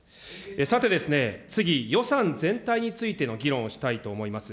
さて、次、予算全体についての議論をしたいと思います。